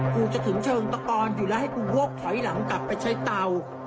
กูจะถึงเชิงตะกอนอยู่แล้วให้กูวกถอยหลังกลับไปใช้เตา